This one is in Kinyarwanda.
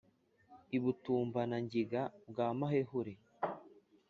i butambana-ngiga bwa mahehure